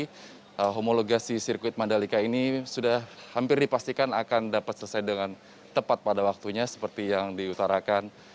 jadi homologasi sirkuit mandalika ini sudah hampir dipastikan akan dapat selesai dengan tepat pada waktunya seperti yang diutarakan